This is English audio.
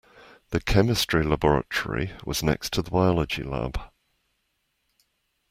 The chemistry laboratory was next to the biology lab